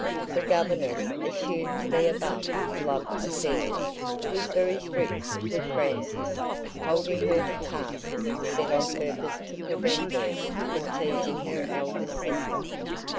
The governess, assumed to be above love affairs, was very strict with Frances, holding her to tasks set on purpose to prevent her from teasing her eldest sister.